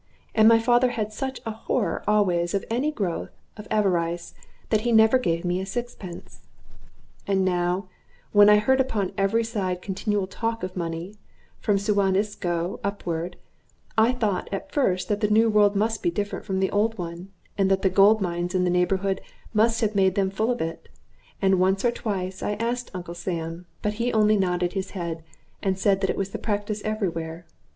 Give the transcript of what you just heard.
And my father had such a horror always of any growth of avarice that he never gave me sixpence. And now, when I heard upon every side continual talk of money, from Suan Isco upward, I thought at first that the New World must be different from the Old one, and that the gold mines in the neighborhood must have made them full of it; and once or twice I asked Uncle Sam; but he only nodded his head, and said that it was the practice every where.